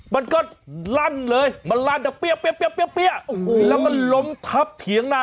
มันก็รันเลยมันรันอย่างเปี๊ยบแล้วก็มันล้มทัพเถียงหนา